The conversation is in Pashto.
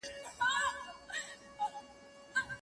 دې جوارۍ کې د بايللو کيسه ختمه نه ده